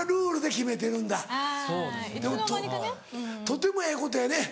とてもええことやね